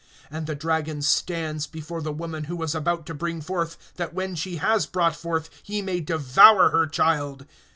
And the dragon stands before the woman who was about to bring forth, that when she has brought forth, he may devour her child.